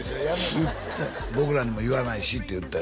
ひっどい「僕らにも言わないし」って言ったよ